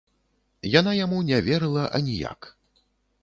Яна яму не верыла аніяк.